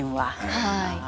はい。